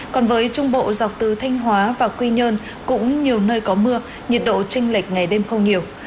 còn với trung bộ dọc từ thanh hóa và quy nhơn cũng nhiều nơi có mưa nhiệt độ tranh lệch ngày đêm không nhiều